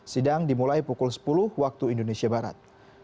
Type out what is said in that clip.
sidang dimulai pukul sepuluh waktu indonesia barat